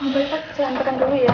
boleh pak jangan tekan dulu ya